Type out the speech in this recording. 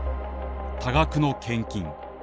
多額の献金。